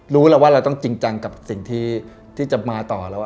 รู้แล้วว่าเราต้องจริงจังกับสิ่งที่จะมาต่อแล้ว